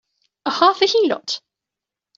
A half a heelot!